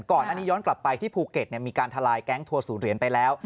ก่อนอันนี้ย้อนกลับไปที่ภูเก็ตมีการทลายแก๊งทัวร์ศูนยนไปแล้ว